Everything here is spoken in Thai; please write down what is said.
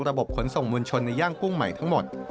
ขนส่งมวลชนในย่างกุ้งใหม่ทั้งหมด